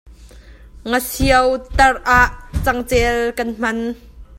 Nga siotarh ah cangcel kan hman.